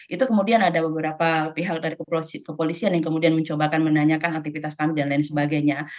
itu kemudian ada beberapa pihak dari kepolisian yang kemudian mencoba kan menanyakan aktivitas kami dan lain sebagainya